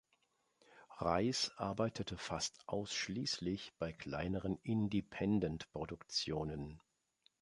Rice arbeitete fast ausschließlich bei kleineren Independent-Produktionen.